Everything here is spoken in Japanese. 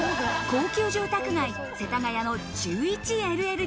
高級住宅街・世田谷の１１ＬＬＤＫ。